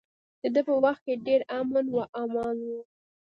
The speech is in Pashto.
د ده په وخت کې ډیر امن و امان و.